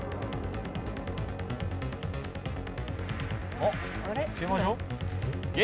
あっ競馬場？